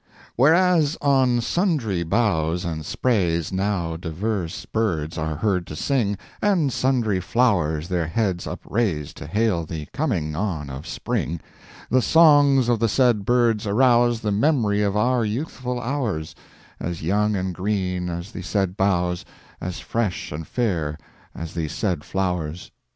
Whereas, on sundry boughs and sprays Now divers birds are heard to sing, And sundry flowers their heads upraise To hail the coming on of Spring; The songs of the said birds arouse The mem'ry of our youthful hours— As young and green as the said boughs, As fresh and fair as the said flowers.